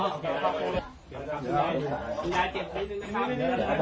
ว่าอย่างไร